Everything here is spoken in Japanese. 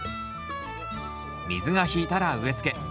水が引いたら植え付け。